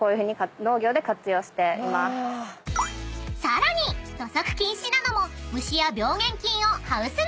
［さらに土足禁止なのも］